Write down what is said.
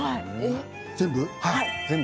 全部？